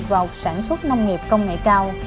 vào sản xuất nông nghiệp công nghệ cao